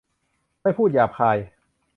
ไม่พูดหยาบคาย